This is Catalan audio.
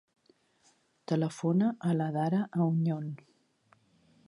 Telefona a la Dara Auñon.